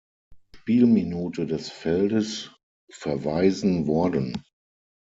Spielminute des Feldes verweisen worden.